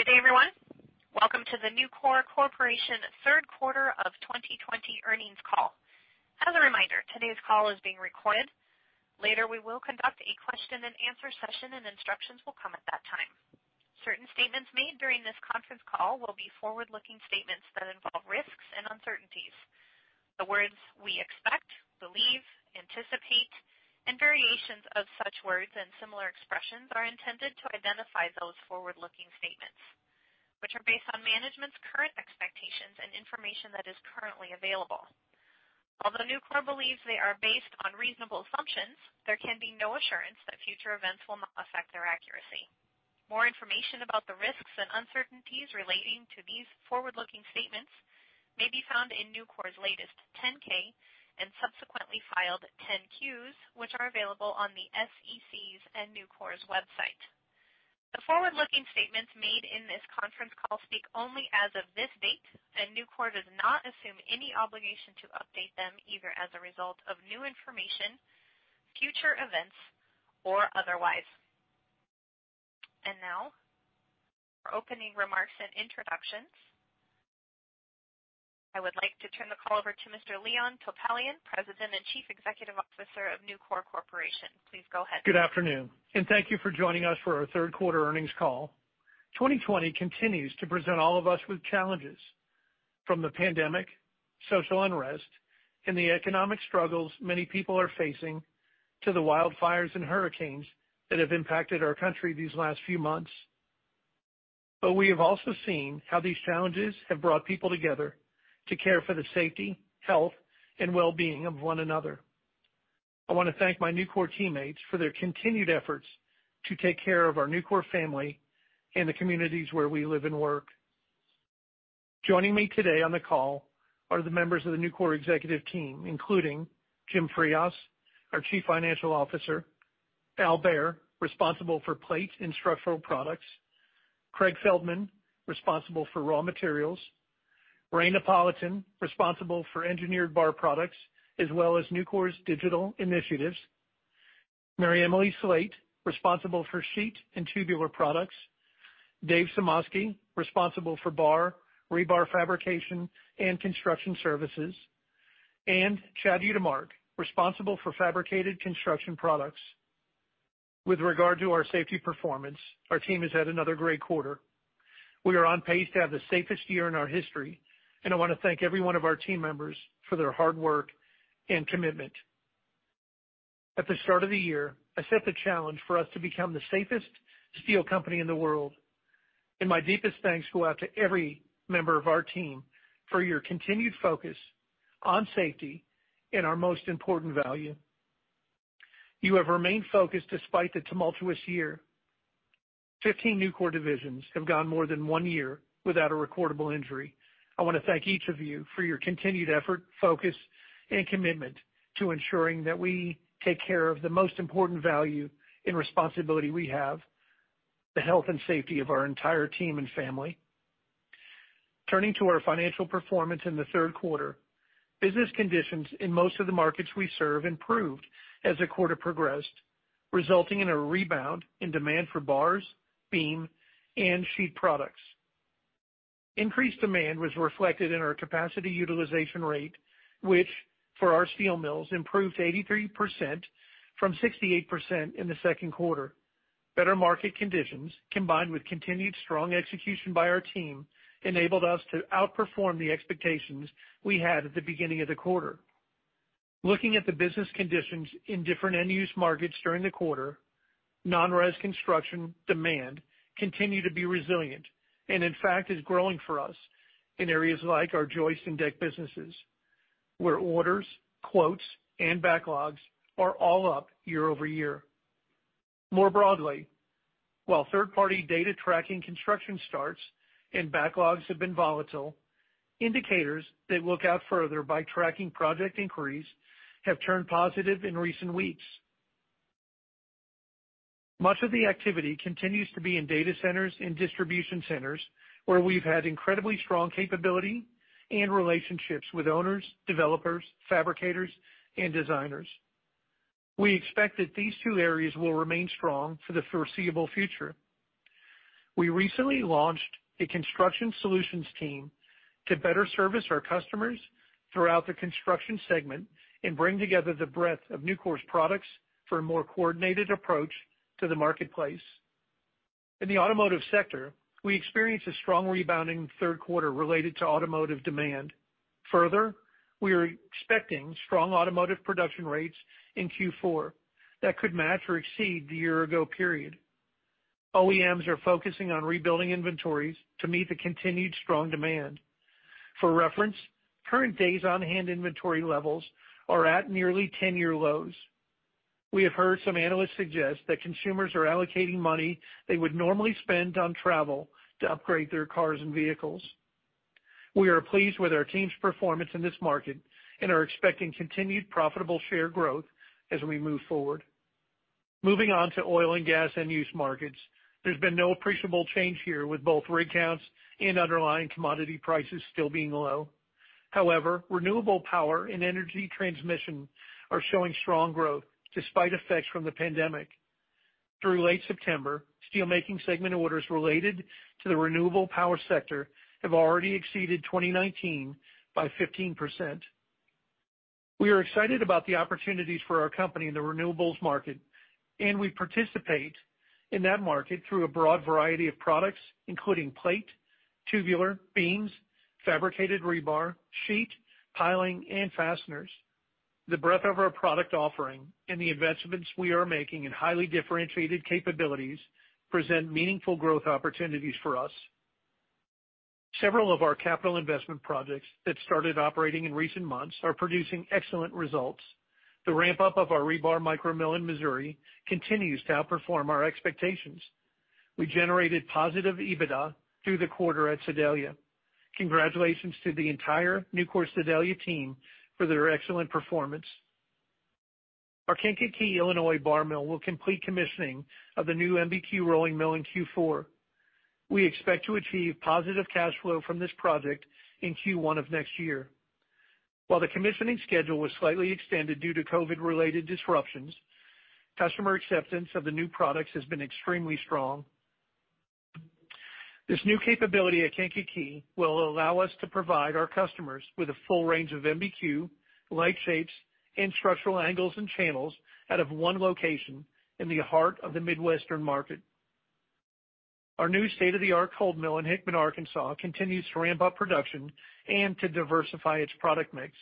Good day, everyone. Welcome to the Nucor Corporation third quarter of 2020 earnings call. As a reminder, today's call is being recorded. Later, we will conduct a question and answer session, and instructions will come at that time. Certain statements made during this conference call will be forward-looking statements that involve risks and uncertainties. The words we expect, believe, anticipate, and variations of such words and similar expressions are intended to identify those forward-looking statements, which are based on management's current expectations and information that is currently available. Although Nucor believes they are based on reasonable assumptions, there can be no assurance that future events will not affect their accuracy. More information about the risks and uncertainties relating to these forward-looking statements may be found in Nucor's latest 10-K and subsequently filed 10-Qs, which are available on the SEC's and Nucor's website. The forward-looking statements made in this conference call speak only as of this date, and Nucor does not assume any obligation to update them either as a result of new information, future events, or otherwise. Now, for opening remarks and introductions, I would like to turn the call over to Mr. Leon Topalian, President and Chief Executive Officer of Nucor Corporation. Please go ahead. Good afternoon, and thank you for joining us for our third quarter earnings call. 2020 continues to present all of us with challenges, from the pandemic, social unrest, and the economic struggles many people are facing, to the wildfires and hurricanes that have impacted our country these last few months. We have also seen how these challenges have brought people together to care for the safety, health, and well-being of one another. I want to thank my Nucor teammates for their continued efforts to take care of our Nucor family and the communities where we live and work. Joining me today on the call are the members of the Nucor executive team, including Jim Frias, our Chief Financial Officer, Al Behr, responsible for plate and structural products, Craig Feldman, responsible for raw materials, Ray Napolitan, responsible for engineered bar products as well as Nucor's digital initiatives, MaryEmily Slate, responsible for sheet and tubular products, Dave Sumoski, responsible for bar, rebar fabrication, and construction services, and Chad Utermark, responsible for fabricated construction products. With regard to our safety performance, our team has had another great quarter. We are on pace to have the safest year in our history, I want to thank every one of our team members for their hard work and commitment. At the start of the year, I set the challenge for us to become the safest steel company in the world, and my deepest thanks go out to every member of our team for your continued focus on safety and our most important value. You have remained focused despite the tumultuous year. 15 Nucor divisions have gone more than one year without a recordable injury. I want to thank each of you for your continued effort, focus, and commitment to ensuring that we take care of the most important value and responsibility we have, the health and safety of our entire team and family. Turning to our financial performance in the third quarter, business conditions in most of the markets we serve improved as the quarter progressed, resulting in a rebound in demand for bars, beam, and sheet products. Increased demand was reflected in our capacity utilization rate, which for our steel mills improved to 83% from 68% in the second quarter. Better market conditions, combined with continued strong execution by our team, enabled us to outperform the expectations we had at the beginning of the quarter. Looking at the business conditions in different end-use markets during the quarter, non-res construction demand continued to be resilient and, in fact, is growing for us in areas like our joist and deck businesses, where orders, quotes, and backlogs are all up year-over-year. More broadly, while third-party data tracking construction starts and backlogs have been volatile, indicators that look out further by tracking project inquiries have turned positive in recent weeks. Much of the activity continues to be in data centers and distribution centers, where we've had incredibly strong capability and relationships with owners, developers, fabricators, and designers. We expect that these two areas will remain strong for the foreseeable future. We recently launched a construction solutions team to better service our customers throughout the construction segment and bring together the breadth of Nucor's products for a more coordinated approach to the marketplace. In the automotive sector, we experienced a strong rebound in the third quarter related to automotive demand. We are expecting strong automotive production rates in Q4 that could match or exceed the year ago period. OEMs are focusing on rebuilding inventories to meet the continued strong demand. For reference, current days on-hand inventory levels are at nearly 10-year lows. We have heard some analysts suggest that consumers are allocating money they would normally spend on travel to upgrade their cars and vehicles. We are pleased with our team's performance in this market and are expecting continued profitable share growth as we move forward. Moving on to oil and gas end-use markets. There's been no appreciable change here, with both rig counts and underlying commodity prices still being low. However, renewable power and energy transmission are showing strong growth despite effects from the pandemic. Through late September, steelmaking segment orders related to the renewable power sector have already exceeded 2019 by 15%. We are excited about the opportunities for our company in the renewables market, and we participate in that market through a broad variety of products, including plate, tubular, beams, fabricated rebar, sheet, piling, and fasteners. The breadth of our product offering and the investments we are making in highly differentiated capabilities present meaningful growth opportunities for us. Several of our capital investment projects that started operating in recent months are producing excellent results. The ramp-up of our rebar micro mill in Missouri continues to outperform our expectations. We generated positive EBITDA through the quarter at Sedalia. Congratulations to the entire Nucor Sedalia team for their excellent performance. Our Kankakee, Illinois bar mill will complete commissioning of the new MBQ rolling mill in Q4. We expect to achieve positive cash flow from this project in Q1 of next year. While the commissioning schedule was slightly extended due to COVID-related disruptions, customer acceptance of the new products has been extremely strong. This new capability at Kankakee will allow us to provide our customers with a full range of MBQ, light shapes, and structural angles and channels out of one location in the heart of the Midwestern market. Our new state-of-the-art cold mill in Hickman, Arkansas, continues to ramp up production and to diversify its product mix.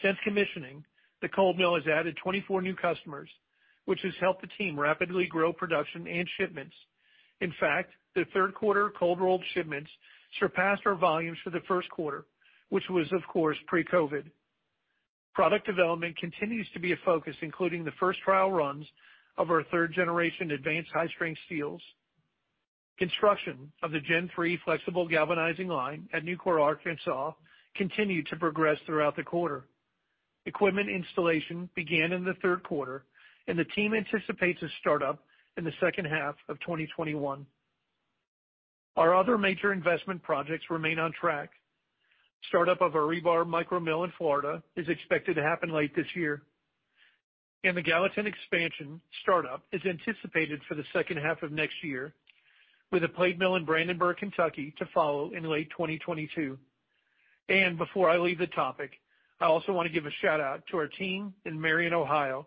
Since commissioning, the cold mill has added 24 new customers, which has helped the team rapidly grow production and shipments. In fact, the third quarter cold-rolled shipments surpassed our volumes for the first quarter, which was, of course, pre-COVID. Product development continues to be a focus, including the 3rd-generation advanced high-strength steels. Construction of the Gen 3 flexible galvanizing line at Nucor Arkansas continued to progress throughout the quarter. Equipment installation began in the third quarter. The team anticipates a startup in the second half of 2021. Our other major investment projects remain on track. Startup of our rebar micro mill in Florida is expected to happen late this year. The Gallatin expansion startup is anticipated for the second half of next year, with a plate mill in Brandenburg, Kentucky, to follow in late 2022. Before I leave the topic, I also want to give a shout-out to our team in Marion, Ohio.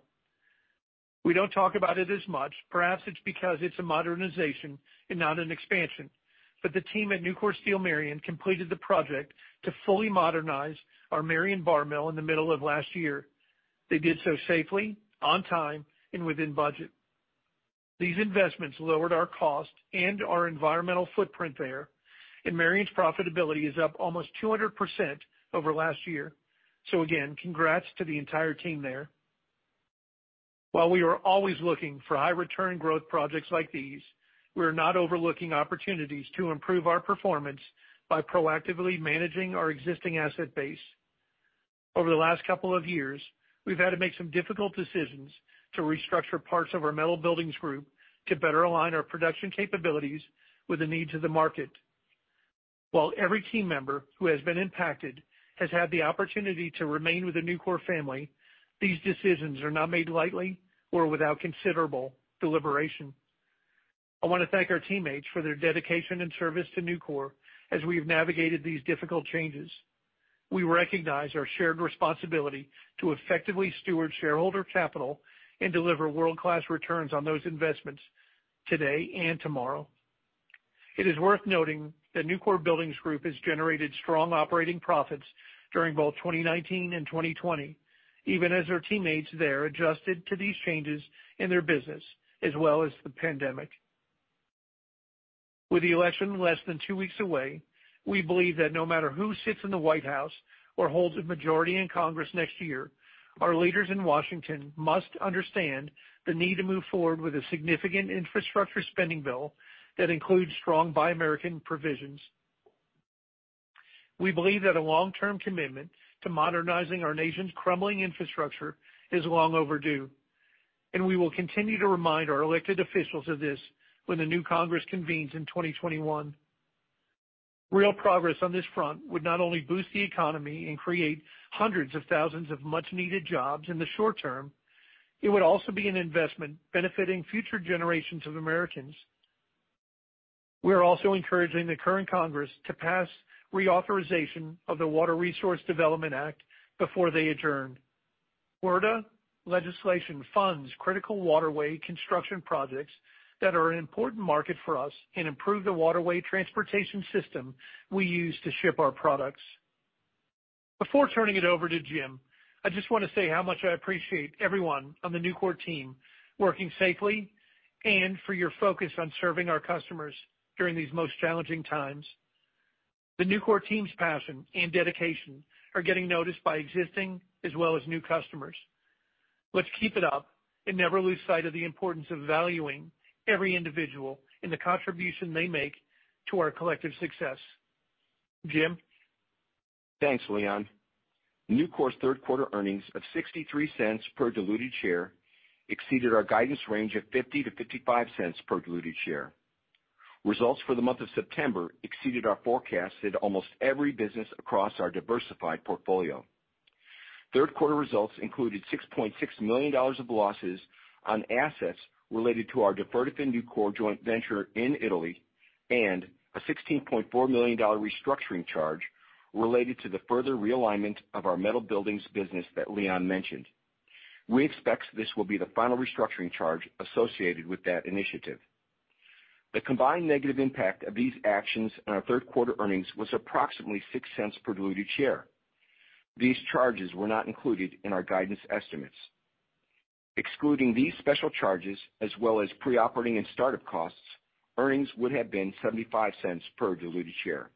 We don't talk about it as much. Perhaps it's because it's a modernization and not an expansion. The team at Nucor Steel Marion completed the project to fully modernize our Marion bar mill in the middle of last year. They did so safely, on time, and within budget. These investments lowered our cost and our environmental footprint there, and Marion's profitability is up almost 200% over last year. Again, congrats to the entire team there. While we are always looking for high-return growth projects like these, we are not overlooking opportunities to improve our performance by proactively managing our existing asset base. Over the last couple of years, we've had to make some difficult decisions to restructure parts of our Nucor Buildings Group to better align our production capabilities with the needs of the market. While every team member who has been impacted has had the opportunity to remain with the Nucor family, these decisions are not made lightly or without considerable deliberation. I want to thank our teammates for their dedication and service to Nucor as we've navigated these difficult changes. We recognize our shared responsibility to effectively steward shareholder capital and deliver world-class returns on those investments today and tomorrow. It is worth noting that Nucor Buildings Group has generated strong operating profits during both 2019 and 2020, even as our teammates there adjusted to these changes in their business, as well as the pandemic. With the election less than two weeks away, we believe that no matter who sits in the White House or holds a majority in Congress next year, our leaders in Washington must understand the need to move forward with a significant infrastructure spending bill that includes strong Buy American provisions. We believe that a long-term commitment to modernizing our nation's crumbling infrastructure is long overdue, and we will continue to remind our elected officials of this when the new Congress convenes in 2021. Real progress on this front would not only boost the economy and create hundreds of thousands of much-needed jobs in the short term, it would also be an investment benefiting future generations of Americans. We are also encouraging the current Congress to pass reauthorization of the Water Resources Development Act before they adjourn. WRDA legislation funds critical waterway construction projects that are an important market for us and improve the waterway transportation system we use to ship our products. Before turning it over to Jim, I just want to say how much I appreciate everyone on the Nucor team working safely and for your focus on serving our customers during these most challenging times. The Nucor team's passion and dedication are getting noticed by existing as well as new customers. Let's keep it up and never lose sight of the importance of valuing every individual and the contribution they make to our collective success. Jim? Thanks, Leon. Nucor's third quarter earnings of $0.63 per diluted share exceeded our guidance range of $0.50-$0.55 per diluted share. Results for the month of September exceeded our forecast in almost every business across our diversified portfolio. Third quarter results included $6.6 million of losses on assets related to our Duferdofin-Nucor joint venture in Italy, and a $16.4 million restructuring charge related to the further realignment of our metal buildings business that Leon mentioned. We expect this will be the final restructuring charge associated with that initiative. The combined negative impact of these actions on our third quarter earnings was approximately $0.06 per diluted share. These charges were not included in our guidance estimates. Excluding these special charges as well as pre-operating and start-up costs, earnings would have been $0.75 per diluted share.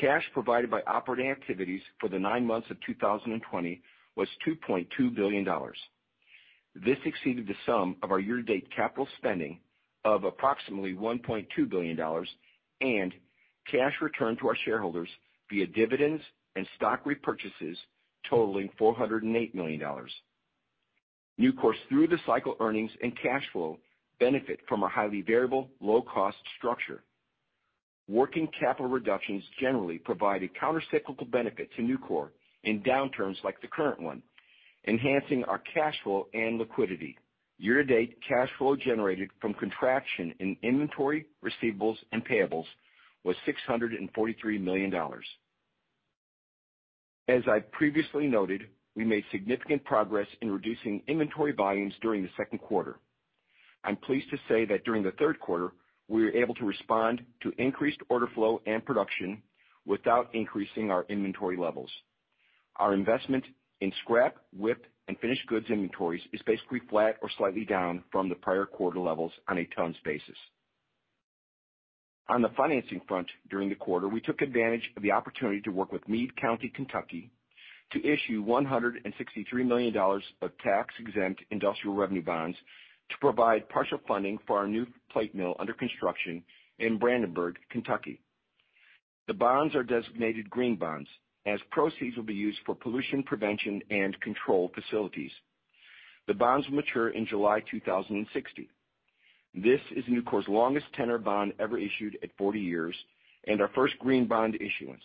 Cash provided by operating activities for the nine months of 2020 was $2.2 billion. This exceeded the sum of our year-to-date capital spending of approximately $1.2 billion and cash returned to our shareholders via dividends and stock repurchases totaling $408 million. Nucor's through-the-cycle earnings and cash flow benefit from a highly variable, low-cost structure. Working capital reductions generally provide a counter-cyclical benefit to Nucor in downturns like the current one, enhancing our cash flow and liquidity. Year-to-date cash flow generated from contraction in inventory, receivables, and payables was $643 million. As I previously noted, we made significant progress in reducing inventory volumes during the second quarter. I'm pleased to say that during the third quarter, we were able to respond to increased order flow and production without increasing our inventory levels. Our investment in scrap, whip, and finished goods inventories is basically flat or slightly down from the prior quarter levels on a tons basis. On the financing front, during the quarter, we took advantage of the opportunity to work with Meade County, Kentucky, to issue $163 million of tax-exempt industrial revenue bonds to provide partial funding for our new plate mill under construction in Brandenburg, Kentucky. The bonds are designated green bonds, as proceeds will be used for pollution prevention and control facilities. The bonds will mature in July 2060. This is Nucor's longest tenor bond ever issued at 40 years and our first green bond issuance.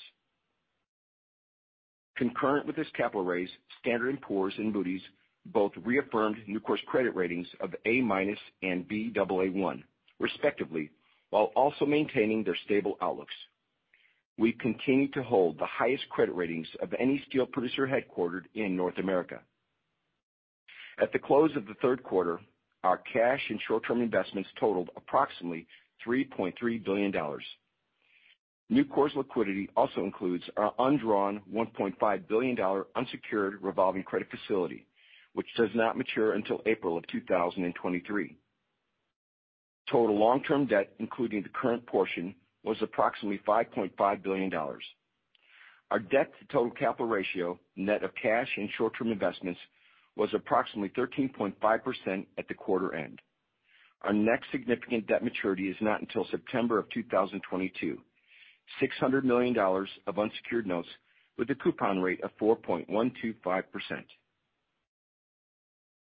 Concurrent with this capital raise, Standard & Poor's and Moody's both reaffirmed Nucor's credit ratings of A- and Baa1, respectively, while also maintaining their stable outlooks. We continue to hold the highest credit ratings of any steel producer headquartered in North America. At the close of the third quarter, our cash and short-term investments totaled approximately $3.3 billion. Nucor's liquidity also includes our undrawn $1.5 billion unsecured revolving credit facility, which does not mature until April of 2023. Total long-term debt, including the current portion, was approximately $5.5 billion. Our debt-to-total capital ratio, net of cash and short-term investments, was approximately 13.5% at the quarter end. Our next significant debt maturity is not until September of 2022, $600 million of unsecured notes with a coupon rate of 4.125%.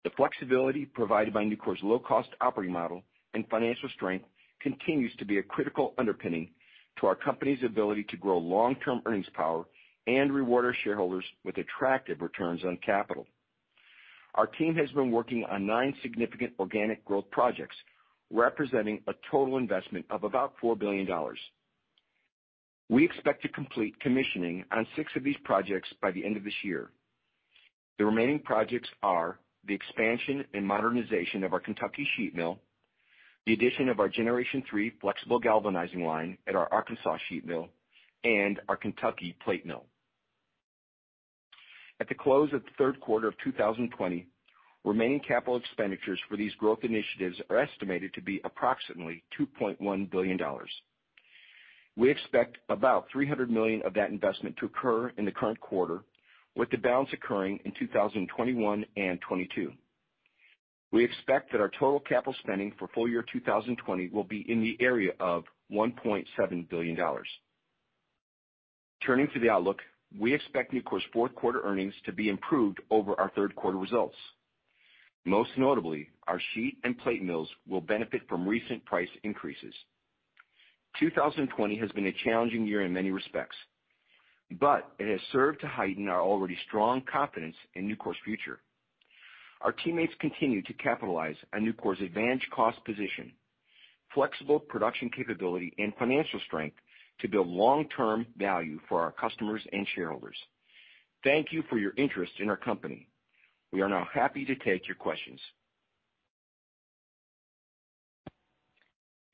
The flexibility provided by Nucor's low-cost operating model and financial strength continues to be a critical underpinning to our company's ability to grow long-term earnings power and reward our shareholders with attractive returns on capital. Our team has been working on nine significant organic growth projects, representing a total investment of about $4 billion. We expect to complete commissioning on six of these projects by the end of this year. The remaining projects are the expansion and modernization of our Kentucky sheet mill, the addition of our Generation 3 flexible galvanizing line at our Arkansas sheet mill, and our Kentucky plate mill. At the close of the third quarter of 2020, remaining capital expenditures for these growth initiatives are estimated to be approximately $2.1 billion. We expect about $300 million of that investment to occur in the current quarter, with the balance occurring in 2021 and 2022. We expect that our total capital spending for full year 2020 will be in the area of $1.7 billion. Turning to the outlook, we expect Nucor's fourth quarter earnings to be improved over our third quarter results. Most notably, our sheet and plate mills will benefit from recent price increases. 2020 has been a challenging year in many respects, but it has served to heighten our already strong confidence in Nucor's future. Our teammates continue to capitalize on Nucor's advantaged cost position, flexible production capability, and financial strength to build long-term value for our customers and shareholders. Thank you for your interest in our company. We are now happy to take your questions.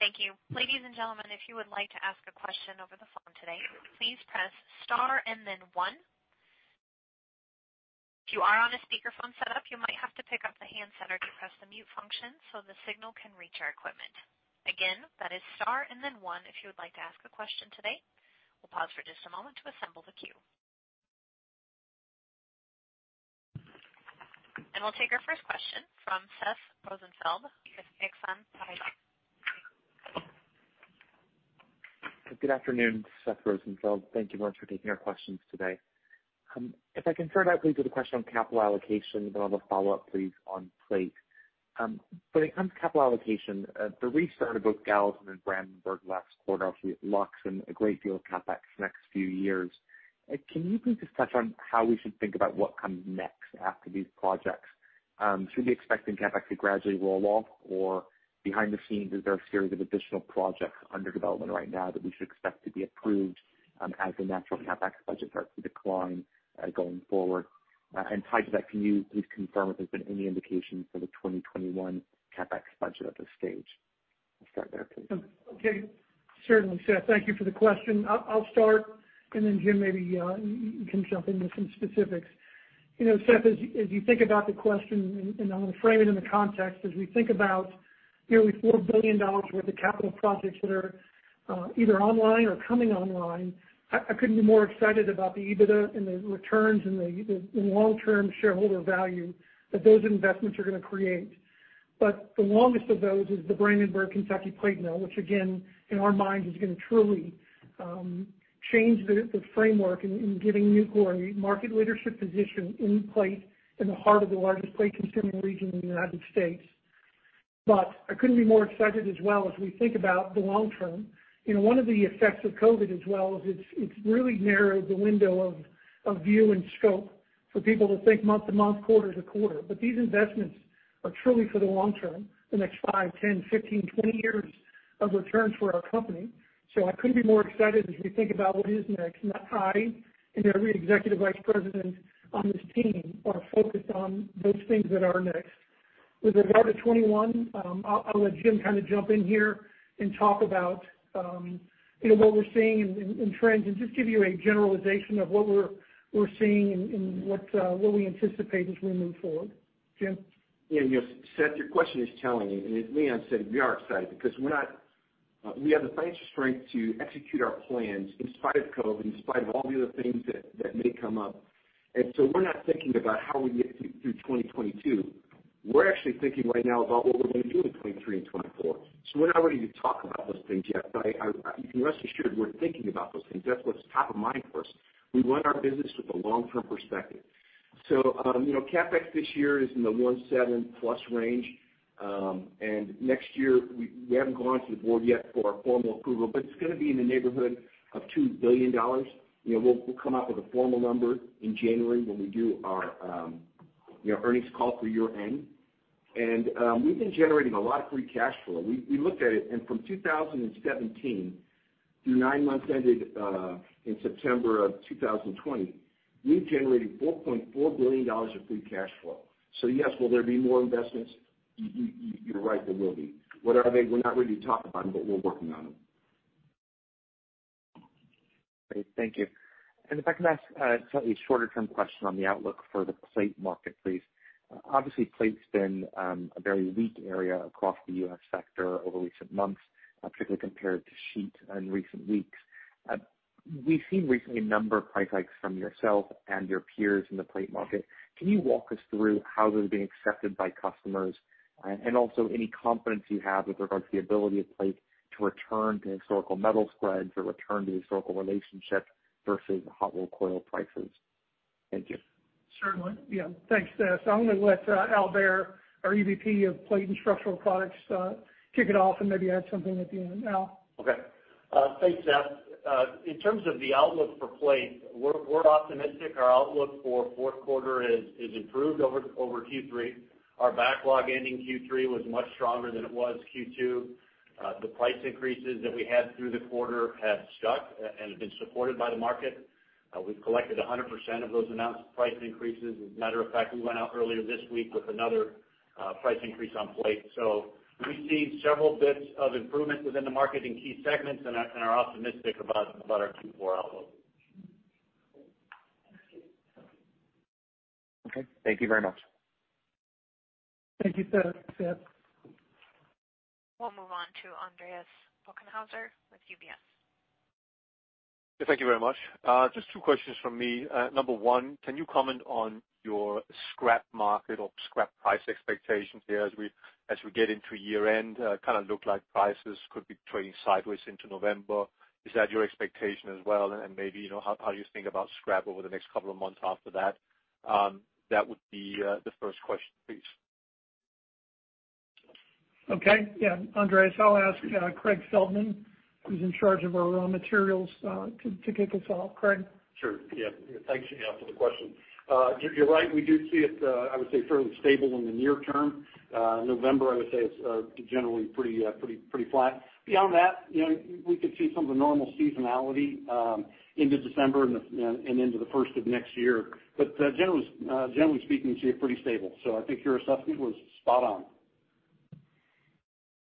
Thank you. Ladies and gentlemen, if you would like to ask a question over the phone today, please press star and then one. If you are on a speakerphone setup, you might have to pick up the handset or depress the mute function so the signal can reach our equipment. Again, that is star and then one if you would like to ask a question today. We'll pause for just a moment to assemble the queue. We'll take our first question from Seth Rosenfeld with Exane Paribas. Good afternoon. Seth Rosenfeld. Thank you much for taking our questions today. If I can start out, please, with a question on capital allocation, then I'll have a follow-up, please, on plate. When it comes to capital allocation, the restart of both Gallatin and Brandenburg last quarter, actually locks in a great deal of CapEx the next few years. Can you please just touch on how we should think about what comes next after these projects? Should we be expecting CapEx to gradually roll off, or behind the scenes, is there a series of additional projects under development right now that we should expect to be approved as the natural CapEx budget starts to decline going forward? Tied to that, can you please confirm if there's been any indication for the 2021 CapEx budget at this stage? I'll start there, please. Okay. Certainly, Seth. Thank you for the question. I'll start, and then Jim maybe can jump in with some specifics. Seth, as you think about the question, and I'm going to frame it in the context, as we think about nearly $4 billion worth of capital projects that are either online or coming online, I couldn't be more excited about the EBITDA and the returns and the long-term shareholder value that those investments are going to create. The longest of those is the Brandenburg Kentucky plate mill, which again, in our minds, is going to truly change the framework in giving Nucor a market leadership position in plate in the heart of the largest plate-consuming region in the United States. I couldn't be more excited as well as we think about the long term. One of the effects of COVID as well is it's really narrowed the window of view and scope for people to think month to month, quarter to quarter. These investments are truly for the long term, the next five, 10, 15, 20 years of returns for our company. I couldn't be more excited as we think about what is next, and I and every executive vice president on this team are focused on those things that are next. With regard to 2021, I'll let Jim kind of jump in here and talk about what we're seeing in trends and just give you a generalization of what we're seeing and what we anticipate as we move forward. Jim? Yeah, Seth, your question is telling. As Leon said, we are excited because we have the financial strength to execute our plans in spite of COVID, in spite of all the other things that may come up. We're not thinking about how we get through 2022. We're actually thinking right now about what we're going to do in 2023 and 2024. We're not ready to talk about those things yet. You can rest assured we're thinking about those things. That's what's top of mind for us. We run our business with a long-term perspective. CapEx this year is in the $1.7+s range. Next year, we haven't gone to the board yet for our formal approval, but it's going to be in the neighborhood of $2 billion. We'll come out with a formal number in January when we do our earnings call for year-end. We've been generating a lot of free cash flow. We looked at it, and from 2017 through nine months ended in September of 2020, we've generated $4.4 billion of free cash flow. Yes, will there be more investments? You're right, there will be. What are they? We're not ready to talk about them, but we're working on them. Great. Thank you. If I can ask a slightly shorter-term question on the outlook for the plate market, please. Obviously, plate's been a very weak area across the U.S. sector over recent months, particularly compared to sheet in recent weeks. We've seen recently a number of price hikes from yourself and your peers in the plate market. Can you walk us through how those are being accepted by customers? Also any confidence you have with regards to the ability of plate to return to historical metal spreads or return to historical relationship versus hot rolled coil prices? Thank you. Certainly. Yeah. Thanks, Seth. I'm going to let Al Behr, our EVP of Plate and Structural Products, kick it off and maybe add something at the end. Al? Okay. Thanks, Seth. In terms of the outlook for plate, we're optimistic. Our outlook for fourth quarter has improved over Q3. Our backlog ending Q3 was much stronger than it was Q2. The price increases that we had through the quarter have stuck and have been supported by the market. We've collected 100% of those announced price increases. As a matter of fact, we went out earlier this week with another price increase on plate. We've seen several bits of improvement within the market in key segments and are optimistic about our Q4 outlook. Okay. Thank you very much. Thank you, Seth. We'll move on to Andreas Bokkenheuser with UBS. Thank you very much. Just two questions from me. Number one, can you comment on your scrap market or scrap price expectations here as we get into year-end? Kind of look like prices could be trading sideways into November. Is that your expectation as well? Maybe, how you think about scrap over the next couple of months after that? That would be the first question, please. Okay. Yeah, Andreas, I'll ask Craig Feldman, who's in charge of our raw materials, to kick us off. Craig? Sure, yeah. Thanks for the question. You're right, we do see it, I would say, fairly stable in the near term. November, I would say, it's generally pretty flat. Beyond that, we could see some of the normal seasonality into December and into the first of next year. Generally speaking, pretty stable. I think your assessment was spot on.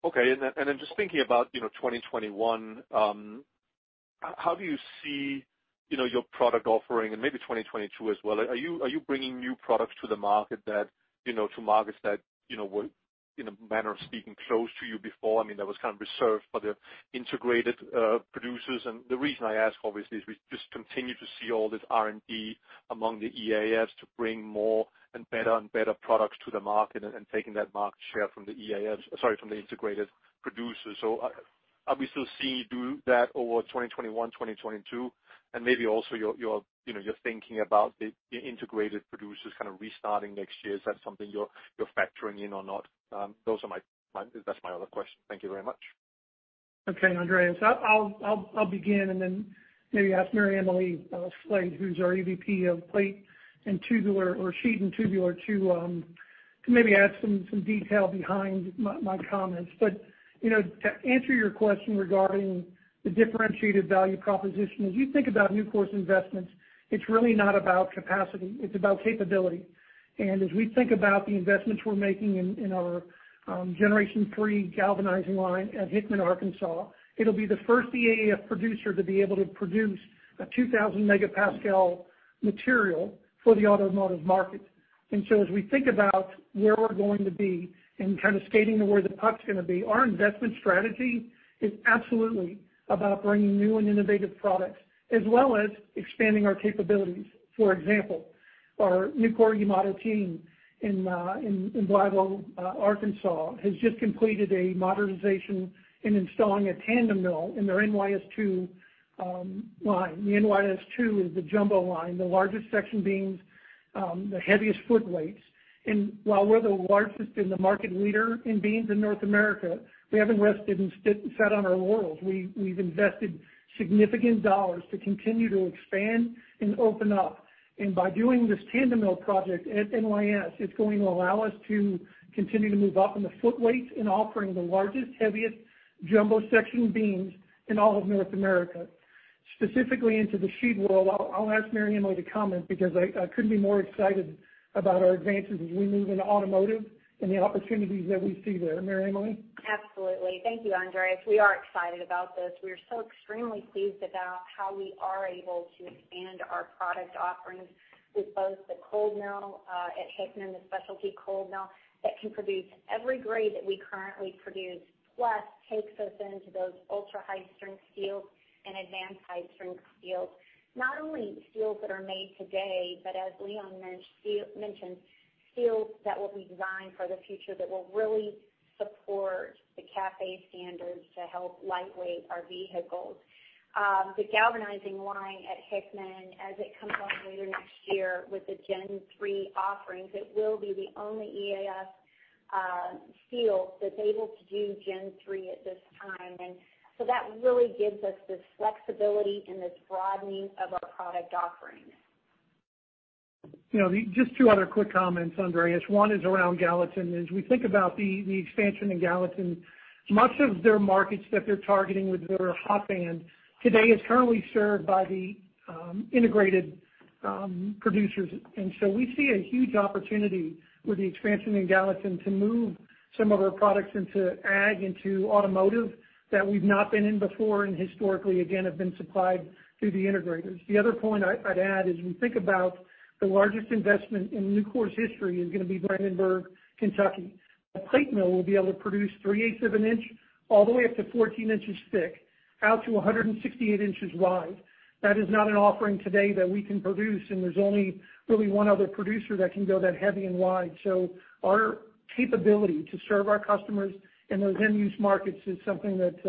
Okay. Just thinking about 2021, how do you see your product offering and maybe 2022 as well? Are you bringing new products to markets that were, in a manner of speaking, closed to you before? I mean, that was kind of reserved for the integrated producers. The reason I ask, obviously, is we just continue to see all this R&D among the EAFs to bring more and better and better products to the market and taking that market share from the EAFs-- sorry, from the integrated producers. Are we still seeing you do that over 2021, 2022? Maybe also, you're thinking about the integrated producers kind of restarting next year. Is that something you're factoring in or not? That's my other question. Thank you very much. Okay, Andreas, I'll begin and then maybe ask MaryEmily Slate, who's our EVP of plate and tubular, or sheet and tubular, to maybe add some detail behind my comments. To answer your question regarding the differentiated value proposition, as you think about Nucor's investments, it's really not about capacity, it's about capability. As we think about the investments we're making in our Generation 3 galvanizing line at Hickman, Arkansas, it'll be the first EAF producer to be able to produce a 2,000 megapascal material for the automotive market. As we think about where we're going to be and kind of skating to where the puck's going to be, our investment strategy is absolutely about bringing new and innovative products, as well as expanding our capabilities. For example, our Nucor-Yamato team in Blytheville, Arkansas, has just completed a modernization in installing a tandem mill in their NYS-2 line. The NYS-2 is the jumbo line, the largest section beams, the heaviest foot weights. While we're the largest and the market leader in beams in North America, we haven't rested and sat on our laurels. We've invested significant dollars to continue to expand and open up. By doing this tandem mill project at NYS, it's going to allow us to continue to move up in the foot weights in offering the largest, heaviest jumbo section beams in all of North America. Specifically into the sheet world, I'll ask MaryEmily to comment because I couldn't be more excited about our advances as we move into automotive and the opportunities that we see there. MaryEmily? Absolutely. Thank you, Andreas. We are excited about this. We are so extremely pleased about how we are able to expand our product offerings with both the cold mill at Hickman, the specialty cold mill, that can produce every grade that we currently produce, plus takes us into those ultra-high strength steels and advanced high-strength steels. Not only steels that are made today, but as Leon mentioned, steels that will be designed for the future that will really support the CAFE standards to help lightweight our vehicles. The galvanizing line at Hickman, as it comes on later next year with the Gen 3 offerings, it will be the only EAF steel that's able to do Gen 3 at this time. That really gives us this flexibility and this broadening of our product offerings. Just two other quick comments, Andreas. One is around Gallatin. As we think about the expansion in Gallatin, much of their markets that they're targeting with their hot band today is currently served by the integrated producers. We see a huge opportunity with the expansion in Gallatin to move some of our products into ag, into automotive, that we've not been in before, and historically, again, have been supplied through the integrators. The other point I'd add is, when we think about the largest investment in Nucor's history is going to be Brandenburg, Kentucky. The plate mill will be able to produce three-eighths of an inch all the way up to 14 inches thick, out to 168 inches wide. That is not an offering today that we can produce, and there's only really one other producer that can go that heavy and wide. Our capability to serve our customers in those end-use markets is something that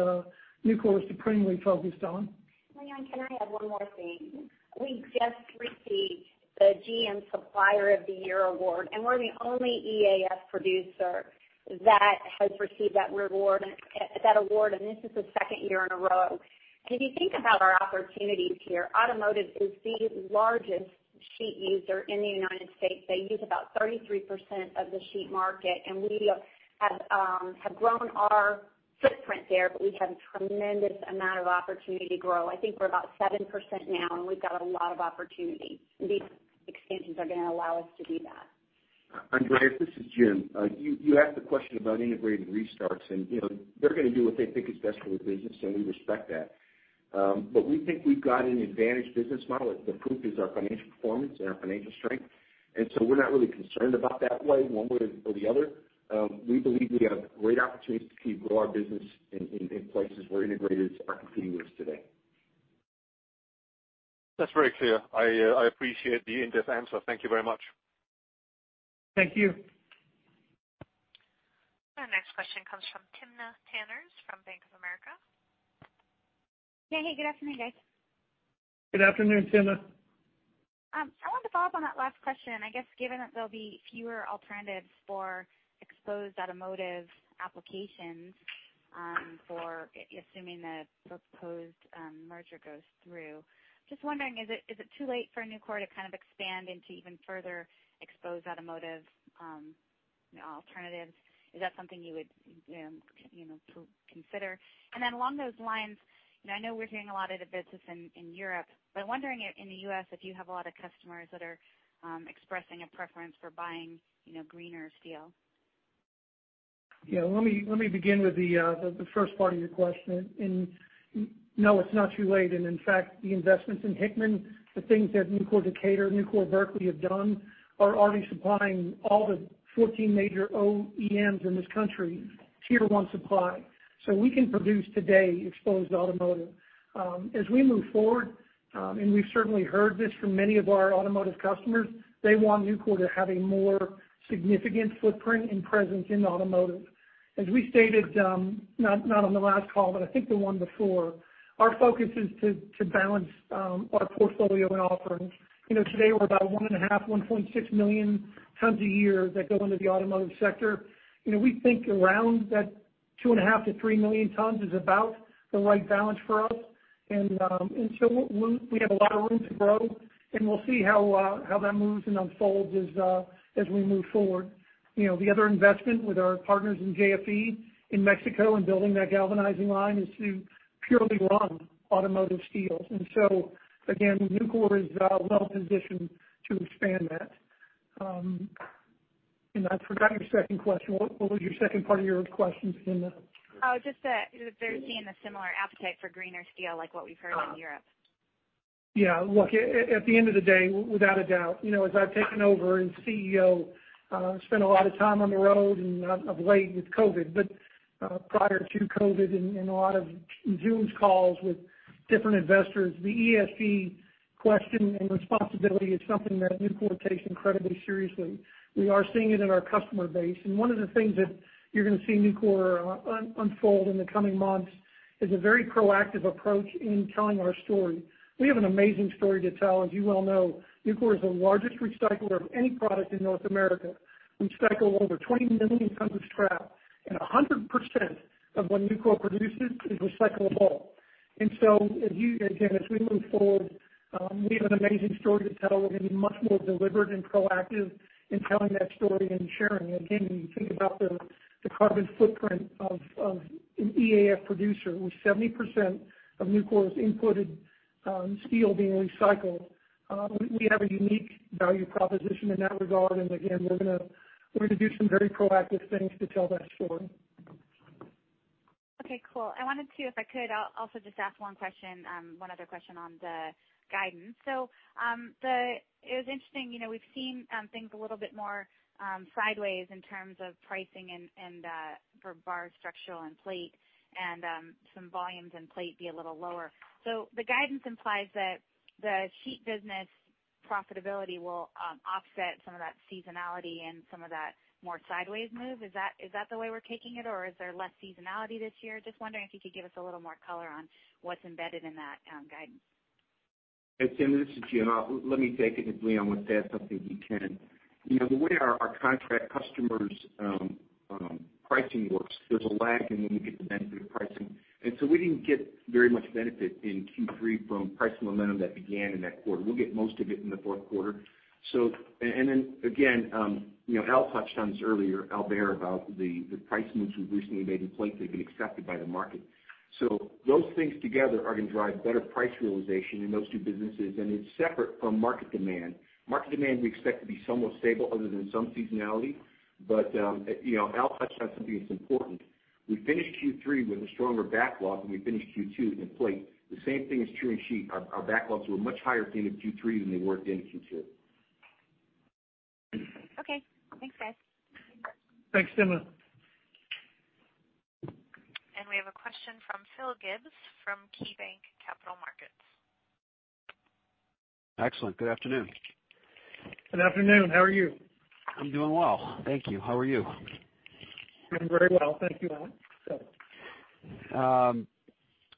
Nucor is supremely focused on. Leon, can I add one more thing? We just received the GM Supplier of the Year award, and we're the only EAF producer that has received that award, and this is the second year in a row. If you think about our opportunities here, automotive is the largest sheet user in the U.S. They use about 33% of the sheet market, and we have grown our footprint there, but we have a tremendous amount of opportunity to grow. I think we're about 7% now, and we've got a lot of opportunity. These expansions are going to allow us to do that. Andreas, this is Jim. You asked the question about integrated restarts, and they're going to do what they think is best for the business, and we respect that. We think we've got an advantage business model. The proof is our financial performance and our financial strength. We're not really concerned about that one way or the other. We believe we have great opportunities to keep growing our business in places where integrators aren't competing with us today. That's very clear. I appreciate the in-depth answer. Thank you very much. Thank you. Our next question comes from Timna Tanners from Bank of America. Yeah. Hey, good afternoon, guys. Good afternoon, Timna. I wanted to follow up on that last question. I guess given that there'll be fewer alternatives for exposed automotive applications, assuming the proposed merger goes through, just wondering, is it too late for Nucor to kind of expand into even further exposed automotive alternatives? Is that something you would consider? Along those lines, I know we're doing a lot of the business in Europe, but I'm wondering in the U.S. if you have a lot of customers that are expressing a preference for buying greener steel. Yeah. Let me begin with the first part of your question. No, it's not too late. In fact, the investments in Hickman, the things that Nucor Decatur, Nucor Berkeley have done are already supplying all the 14 major OEMs in this country, Tier 1 supply. We can produce today exposed automotive. As we move forward, and we've certainly heard this from many of our automotive customers, they want Nucor to have a more significant footprint and presence in automotive. As we stated, not on the last call, but I think the one before, our focus is to balance our portfolio and offerings. Today, we're about one and a half, 1.6 million tons a year that go into the automotive sector. We think around that two and a half to 3 million tons is about the right balance for us. We have a lot of room to grow. We'll see how that moves and unfolds as we move forward. The other investment with our partners in JFE in Mexico in building that galvanizing line is to purely run automotive steels. Again, Nucor is well-positioned to expand that. I forgot your second question. What was your second part of your question, Timna? Just that they're seeing a similar appetite for greener steel, like what we've heard in Europe. Yeah. Look, at the end of the day, without a doubt, as I've taken over as CEO, I spent a lot of time on the road, and of late with COVID, but prior to COVID, in a lot of Zoom calls with different investors. The ESG question and responsibility is something that Nucor takes incredibly seriously. We are seeing it in our customer base, and one of the things that you're going to see Nucor unfold in the coming months is a very proactive approach in telling our story. We have an amazing story to tell. As you well know, Nucor is the largest recycler of any product in North America. We recycle over 20 million tons of scrap, and 100% of what Nucor produces is recyclable. Again, as we move forward, we have an amazing story to tell. We're going to be much more deliberate and proactive in telling that story and sharing it. Again, when you think about the carbon footprint of an EAF producer with 70% of Nucor's inputted steel being recycled, we have a unique value proposition in that regard. Again, we're going to do some very proactive things to tell that story. Okay, cool. I wanted to, if I could, also just ask one other question on the guidance. It was interesting, we've seen things a little bit more sideways in terms of pricing and for bar structural and plate, and some volumes in plate be a little lower. The guidance implies that the sheet business profitability will offset some of that seasonality and some of that more sideways move. Is that the way we're taking it, or is there less seasonality this year? Wondering if you could give us a little more color on what's embedded in that guidance. Hey, Timna, this is Jim. Let me take it, and if Leon wants to add something, he can. The way our contract customers' pricing works, there's a lag in when we get the benefit of pricing. We didn't get very much benefit in Q3 from price momentum that began in that quarter. We'll get most of it in the fourth quarter. Al touched on this earlier, Al Behr, about the price moves we've recently made in plate that have been accepted by the market. Those things together are going to drive better price realization in those two businesses, and it's separate from market demand. Market demand we expect to be somewhat stable other than some seasonality. Al touched on something that's important. We finished Q3 with a stronger backlog than we finished Q2 in plate. The same thing is true in sheet. Our backlogs were much higher at the end of Q3 than they were at the end of Q2. Okay. Thanks, guys. Thanks, Timna. We have a question from Phil Gibbs from KeyBanc Capital Markets. Excellent. Good afternoon. Good afternoon. How are you? I'm doing well. Thank you. How are you? I'm very well. Thank you.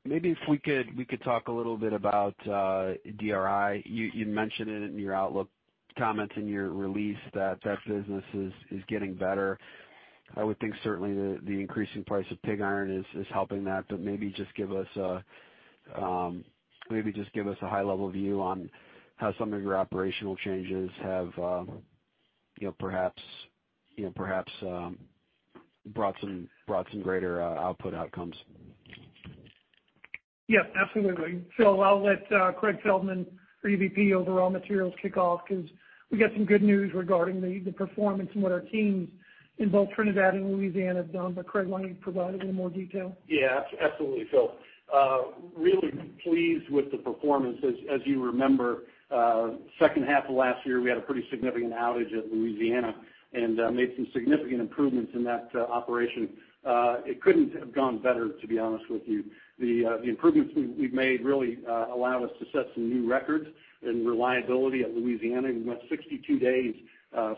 Maybe if we could talk a little bit about DRI. You mentioned it in your outlook comments in your release that that business is getting better. I would think certainly the increasing price of pig iron is helping that, but maybe just give us a high-level view on how some of your operational changes have perhaps brought some greater output outcomes. Yes, absolutely. Phil, I'll let Craig Feldman, our EVP of Raw Materials, kick off because we got some good news regarding the performance and what our teams in both Trinidad and Louisiana have done. Craig, why don't you provide a little more detail? Yeah, absolutely, Phil. Really pleased with the performance. As you remember, second half of last year, we had a pretty significant outage at Louisiana and made some significant improvements in that operation. It couldn't have gone better, to be honest with you. The improvements we've made really allowed us to set some new records in reliability at Louisiana. We went 62 days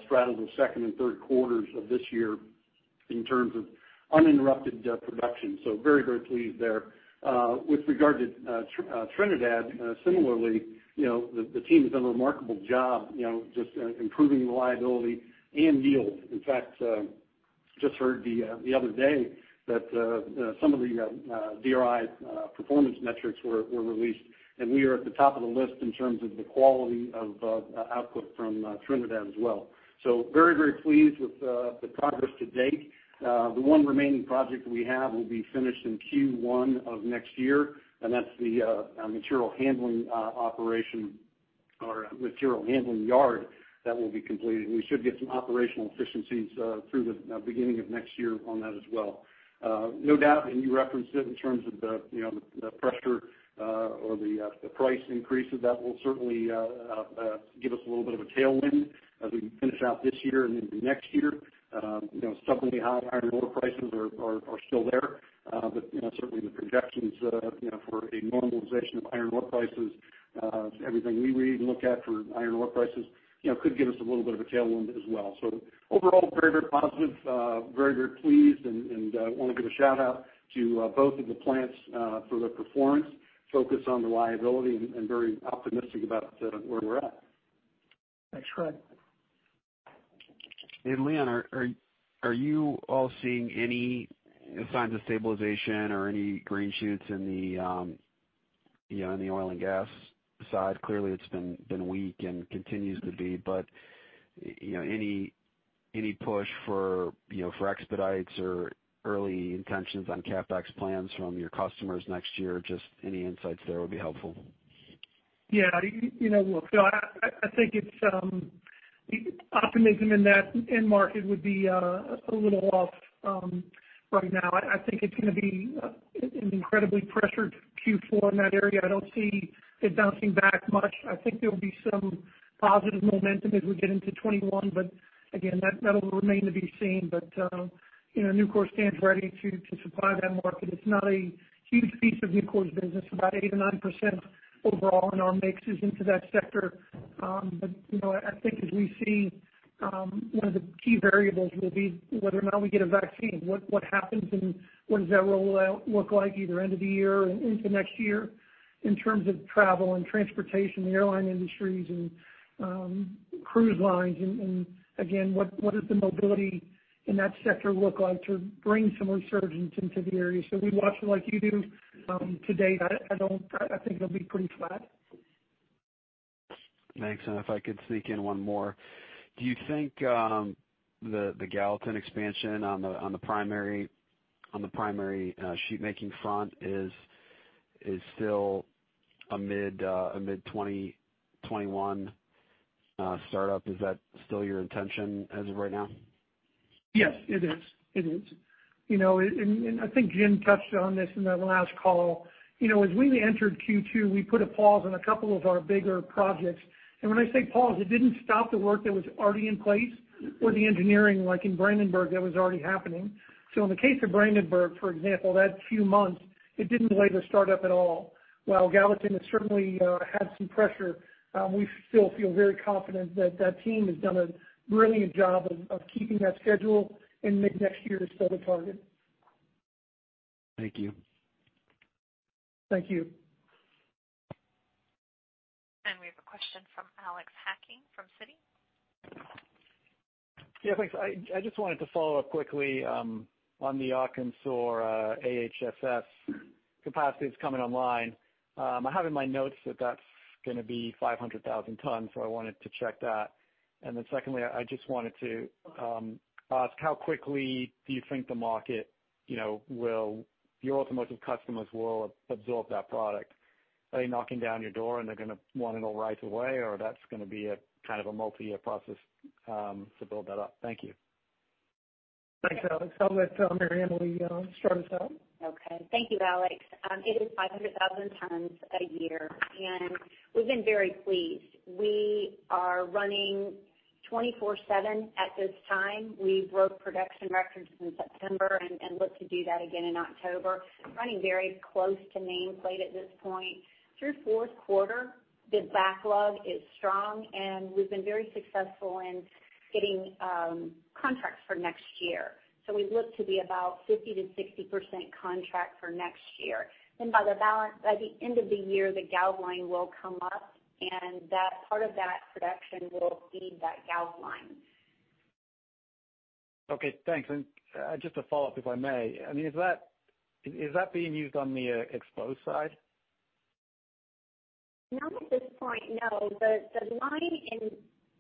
straddled the second and third quarters of this year in terms of uninterrupted production. Very, very pleased there. With regard to Trinidad, similarly, the team has done a remarkable job just improving reliability and yield. In fact, just heard the other day that some of the DRI performance metrics were released, and we are at the top of the list in terms of the quality of output from Trinidad as well. Very, very pleased with the progress to date. The one remaining project we have will be finished in Q1 of next year, and that's the material handling operation or material handling yard that will be completed. We should get some operational efficiencies through the beginning of next year on that as well. No doubt, you referenced it in terms of the pressure or the price increases. That will certainly give us a little bit of a tailwind as we finish out this year and into next year. Substantially high iron ore prices are still there. Certainly the projections for a normalization of iron ore prices, everything we read and look at for iron ore prices, could give us a little bit of a tailwind as well. Overall, very, very positive. Very, very pleased and want to give a shout-out to both of the plants for their performance, focus on reliability, and very optimistic about where we're at. Thanks, Craig. Hey, Leon. Are you all seeing any signs of stabilization or any green shoots in the oil and gas side? Clearly, it's been weak and continues to be, but any push for expedites or early intentions on CapEx plans from your customers next year? Just any insights there would be helpful. Yeah. Look, I think the optimism in that end market would be a little off right now. I think it's going to be an incredibly pressured Q4 in that area. I don't see it bouncing back much. I think there'll be some positive momentum as we get into 2021, again, that will remain to be seen. Nucor stands ready to supply that market. It's not a huge piece of Nucor's business. About 8% or 9% overall in our mix is into that sector. I think as we see, one of the key variables will be whether or not we get a vaccine. What happens, what does that rollout look like either end of the year or into next year in terms of travel and transportation, the airline industries, and cruise lines? What does the mobility in that sector look like to bring some resurgence into the area? We watch it like you do. To date, I think it'll be pretty flat. Thanks. If I could sneak in one more. Do you think the Gallatin expansion on the primary sheet-making front is still a mid 2021 startup? Is that still your intention as of right now? Yes, it is. I think Jim touched on this in the last call. As we entered Q2, we put a pause on a couple of our bigger projects. When I say pause, it didn't stop the work that was already in place or the engineering like in Brandenburg that was already happening. In the case of Brandenburg, for example, that few months, it didn't delay the startup at all. While Gallatin has certainly had some pressure, we still feel very confident that that team has done a brilliant job of keeping that schedule in mid next year to start the target. Thank you. Thank you. We have a question from Alex Hacking from Citi. Yeah, thanks. I just wanted to follow up quickly on the Arkansas AHSS capacity that's coming online. I have in my notes that that's going to be 500,000 tons, so I wanted to check that. Secondly, I just wanted to ask how quickly do you think the market, your automotive customers will absorb that product? Are they knocking down your door, and they're going to want it all right away, or that's going to be a multi-year process to build that up? Thank you. Thanks, Alex. I'll let MaryEmily or Leon start us out. Okay. Thank you, Alex. It is 500,000 tons a year, we've been very pleased. We are running 24/7 at this time. We broke production records in September, look to do that again in October, running very close to nameplate at this point. Through fourth quarter, the backlog is strong, we've been very successful in getting contracts for next year. We look to be about 50%-60% contract for next year. By the end of the year, the galv line will come up, that part of that production will feed that galv line. Okay, thanks. Just to follow up, if I may. Is that being used on the exposed side? Not at this point, no. The line in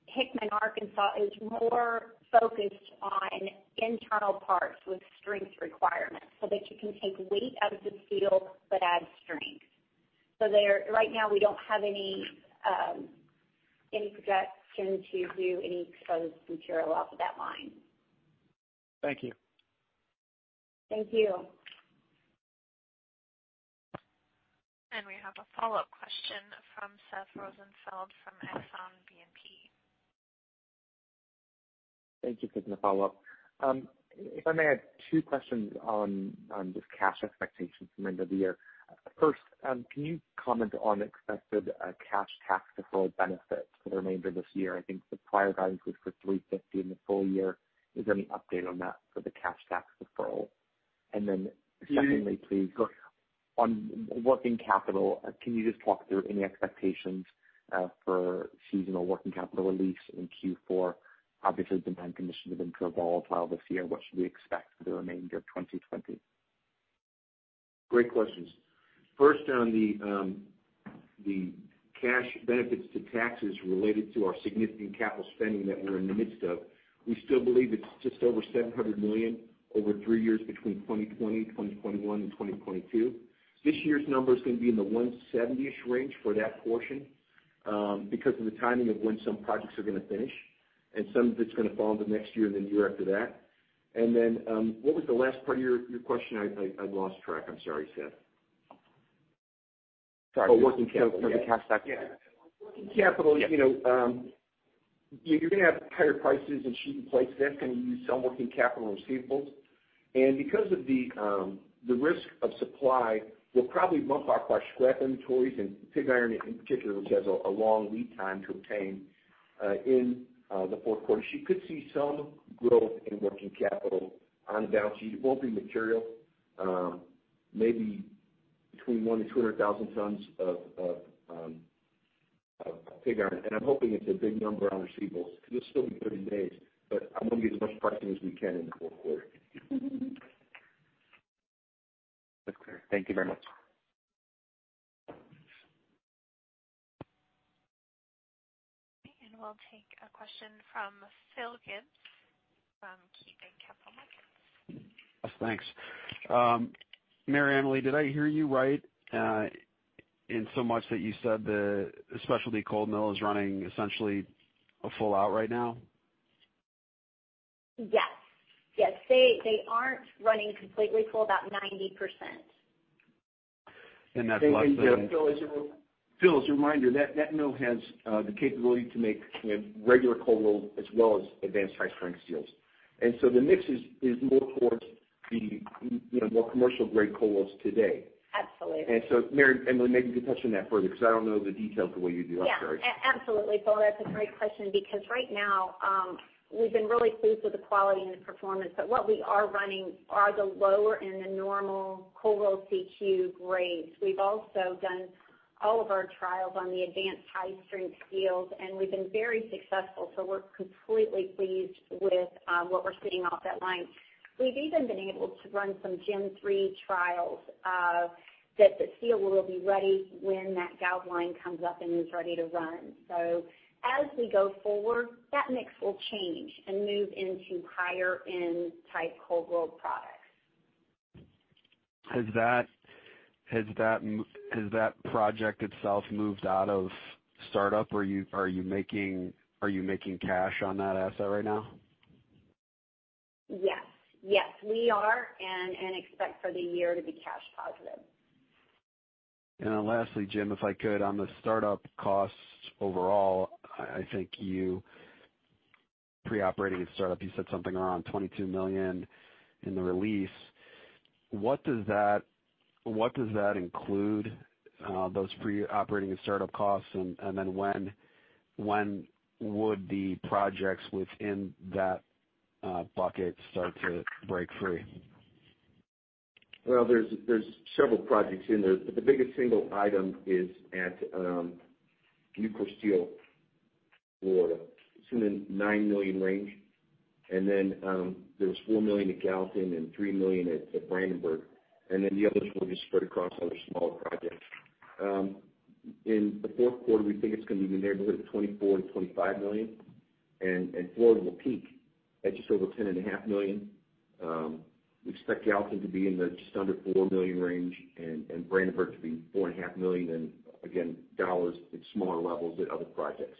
Hickman, Arkansas, is more focused on internal parts with strength requirements, that you can take weight out of the steel but add strength. Right now, we don't have any projection to do any exposed material off of that line. Thank you. Thank you. We have a follow-up question from Seth Rosenfeld from Exane BNP. Thank you for the follow-up. If I may add two questions on just cash expectations from end of the year. First, can you comment on expected cash tax deferral benefits for the remainder of this year? I think the prior guidance was for $350 in the full year. Is there any update on that for the cash tax deferral? Secondly, please, on working capital, can you just talk through any expectations for seasonal working capital release in Q4? Obviously, demand conditions have been pretty volatile this year. What should we expect for the remainder of 2020? Great questions. First, on the cash benefits to taxes related to our significant capital spending that we're in the midst of. We still believe it's just over $700 million over three years between 2020, 2021, and 2022. This year's number is going to be in the $170-ish range for that portion because of the timing of when some projects are going to finish, and some of it's going to fall into next year and the year after that. What was the last part of your question? I lost track. I'm sorry, Seth. Oh, working capital. The cash tax. Yeah. Working capital. You're going to have higher prices in sheet and plate. That's going to use some working capital and receivables. Because of the risk of supply, we'll probably bump up our scrap inventories and pig iron in particular, which has a long lead time to obtain in the fourth quarter. You could see some growth in working capital on the balance sheet. It won't be material. Maybe between one to 200,000 tons of Pig iron. I'm hoping it's a big number on receivables because it'll still be 30 days. I want to get as much pricing as we can in the fourth quarter. That's clear. Thank you very much. Okay, we'll take a question from Phil Gibbs from KeyBanc Capital Markets. Yes, thanks. MaryEmily, did I hear you right in so much that you said the specialty cold mill is running essentially a full out right now? Yes. They aren't running completely full, about 90%. And that's less than- Phil, as a reminder, that mill has the capability to make regular cold roll as well as advanced high strength steels. The mix is more towards the more commercial grade cold rolls today. Absolutely. MaryEmily, maybe you can touch on that further, because I don't know the details the way you do. I'm sorry. Yeah, absolutely, Phil. That's a great question, because right now, we've been really pleased with the quality and the performance. What we are running are the lower end, the normal cold roll CQ grades. We've also done all of our trials on the advanced high-strength steels, and we've been very successful. We're completely pleased with what we're seeing off that line. We've even been able to run some Gen 3 trials that the steel will be ready when that galv line comes up and is ready to run. As we go forward, that mix will change and move into higher-end type cold-rolled products. Has that project itself moved out of startup? Are you making cash on that asset right now? Yes. We are, and expect for the year to be cash positive. Lastly, Jim, if I could, on the startup costs overall, I think you pre-operating at startup, you said something around $22 million in the release. What does that include, those pre-operating and startup costs, when would the projects within that bucket start to break free? Well, there's several projects in there, but the biggest single item is at Nucor Steel Florida. It's in the $9 million range. There was $4 million at Gallatin and $3 million at Brandenburg, and then the others were just spread across other smaller projects. In the fourth quarter, we think it's going to be in the neighborhood of $24 million-$25 million, and Florida will peak at just over $10.5 million. We expect Gallatin to be in the just under $4 million range and Brandenburg to be $4.5 million and again, dollars at smaller levels at other projects.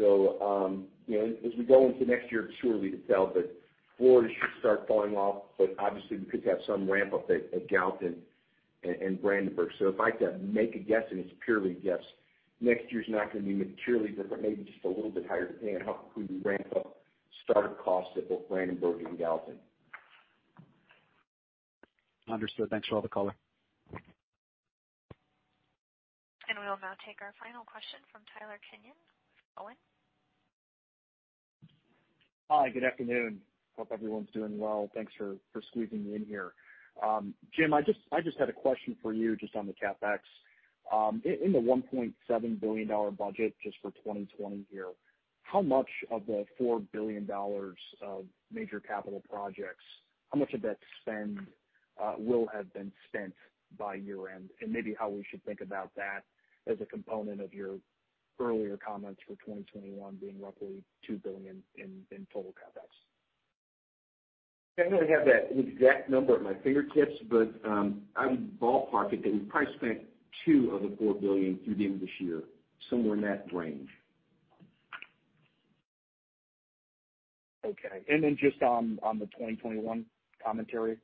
As we go into next year, surely it fell, but Florida should start falling off, but obviously we could have some ramp up at Gallatin and Brandenburg. If I had to make a guess, and it's purely a guess, next year's not going to be materially different, maybe just a little bit higher, depending on how quickly we ramp up startup costs at both Brandenburg and Gallatin. Understood. Thanks for all the color. We will now take our final question from Tyler Kenyon with Cowen. Hi, good afternoon. Hope everyone's doing well. Thanks for squeezing me in here. Jim, I just had a question for you just on the CapEx. In the $1.7 billion budget just for 2020 here, how much of the $4 billion of major capital projects, how much of that spend will have been spent by year-end? Maybe how we should think about that as a component of your earlier comments for 2021 being roughly $2 billion in total CapEx. I don't have that exact number at my fingertips, but I would ballpark it that we probably spent two of the $4 billion through the end of this year, somewhere in that range. Okay. Just on the 2021 commentary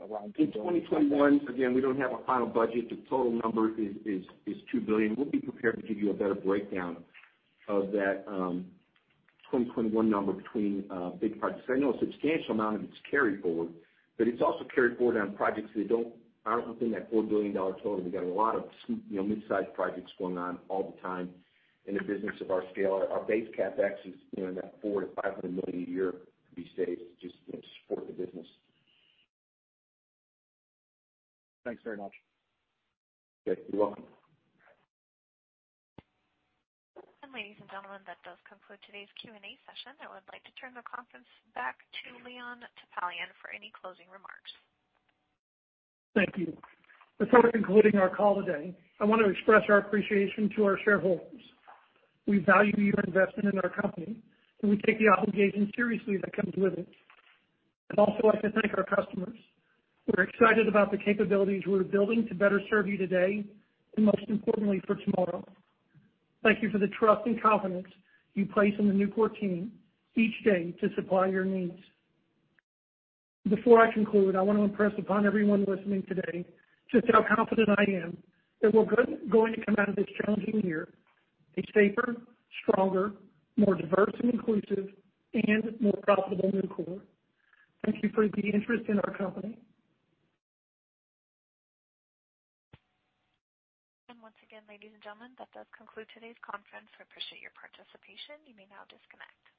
around. In 2021, again, we don't have a final budget. The total number is $2 billion. We'll be prepared to give you a better breakdown of that 2021 number between big projects. I know a substantial amount of it's carry forward, but it's also carried forward on projects that aren't within that $4 billion total. We got a lot of mid-size projects going on all the time in the business of our scale. Our base CapEx is in that $400 million-$500 million a year, to be safe, just to support the business. Thanks very much. Okay. You're welcome. Ladies and gentlemen, that does conclude today's Q&A session. I would like to turn the conference back to Leon Topalian for any closing remarks. Thank you. Before concluding our call today, I want to express our appreciation to our shareholders. We value your investment in our company, and we take the obligation seriously that comes with it. I'd also like to thank our customers. We're excited about the capabilities we're building to better serve you today, and most importantly, for tomorrow. Thank you for the trust and confidence you place in the Nucor team each day to supply your needs. Before I conclude, I want to impress upon everyone listening today just how confident I am that we're going to come out of this challenging year a safer, stronger, more diverse and inclusive, and more profitable Nucor. Thank you for the interest in our company. Once again, ladies and gentlemen, that does conclude today's conference. We appreciate your participation. You may now disconnect.